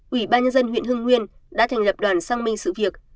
ủy ban nhân dân huyện hưng nguyên đã thành lập đoàn xăng minh sự việc